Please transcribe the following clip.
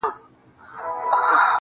ولي مي هره شېبه هر ساعت په غم نیس,